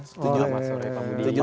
selamat sore pak menteri